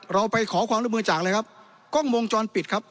เราไปขอความร่วมมือจากเลยครับกล้องวงจรปิดครับ